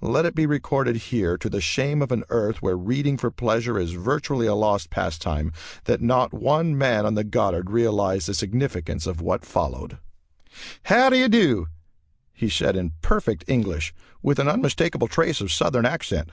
Let it be recorded here, to the shame of an Earth where reading for pleasure is virtually a lost pastime, that not one man on the Goddard realized the significance of what followed. "How do you do?" he said in perfect English, with an unmistakable trace of Southern accent.